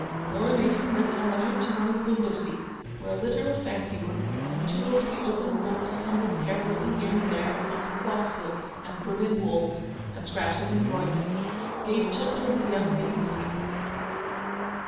Laura Mason led Eleanor to one of the window seats, where a litter of fancy work, and two or three open books tumbled carelessly here and there amongst floss silks and Berlin wools and scraps of embroidery, gave token of the young lady's habits.